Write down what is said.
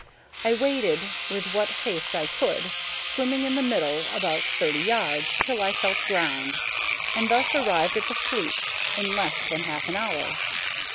I waded with what haste I could, swimming in the middle about thirty yards, till I felt ground, and thus arrived at the fleet in less than half an hour.